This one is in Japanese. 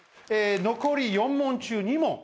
残り４問中２問。